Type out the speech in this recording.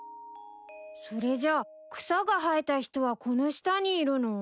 それじゃあ草が生えた人はこの下にいるの？